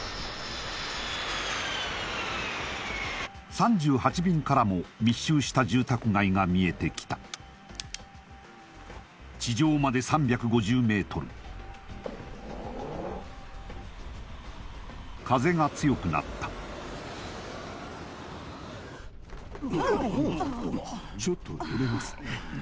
３８便からも密集した住宅街が見えてきた地上まで３５０ｍ風が強くなったちょっと揺れますね・